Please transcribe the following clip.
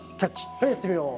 はいやってみよう。